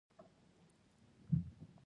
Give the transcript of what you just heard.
هندوکش د ماشومانو د زده کړې موضوع ده.